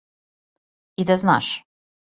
И да знаш.